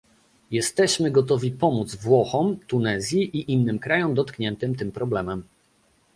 Jesteśmy gotowi pomóc Włochom, Tunezji i innym krajom dotkniętym tym problemem